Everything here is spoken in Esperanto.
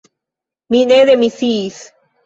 Mi ne demisiis.